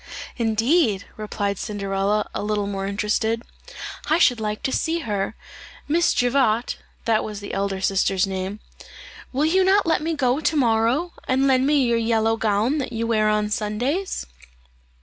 "Indeed!" replied Cinderella, a little more interested; "I should like to see her. Miss Javotte" that was the elder sister's name "will you not let me go to morrow, and lend me your yellow gown that you wear on Sundays?"